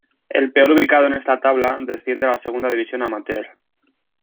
El peor ubicado en esta tabla, desciende a la Segunda División Amateur.